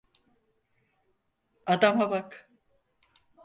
Adama bak.